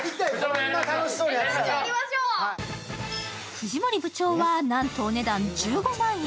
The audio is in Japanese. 藤森部長はなんとお値段１５万円。